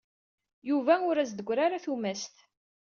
Yuba ur as-d-teggri ara tumast.